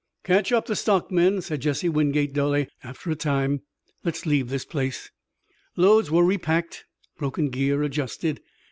"Catch up the stock, men," said Jesse Wingate dully, after a time. "Let's leave this place." Loads were repacked, broken gear adjusted.